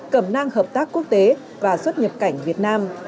cẩm năng hợp tác quốc tế và xuất nhập cảnh việt nam